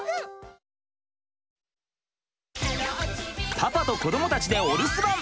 パパと子どもたちでお留守番！